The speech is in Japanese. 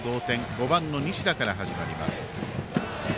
５番の西田から始まります。